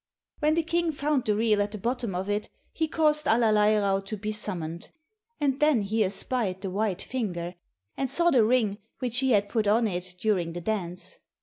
When the King found the reel at the bottom of it, he caused Allerleirauh to be summoned, and then he espied the white finger, and saw the ring which he had put on it during the dance.